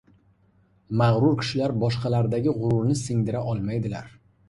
Mag‘rur kishilar boshqalardagi g‘ururni singdira olmaydilar.